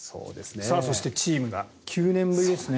そしてチームが９年ぶりですね。